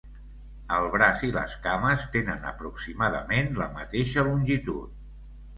El braç i les cames tenen aproximadament la mateixa longitud.